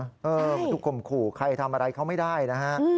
มันถูกข่มขู่ใครทำอะไรเขาไม่ได้นะฮะ